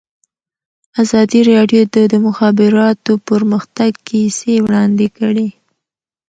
ازادي راډیو د د مخابراتو پرمختګ کیسې وړاندې کړي.